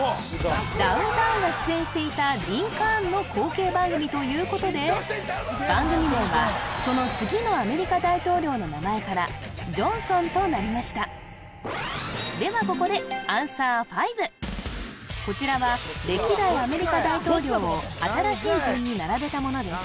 ダウンタウンが出演していた「リンカーン」の後継番組ということで番組名はその次のアメリカ大統領の名前から「ジョンソン」となりましたではここでこちらは歴代アメリカ大統領を新しい順に並べたものです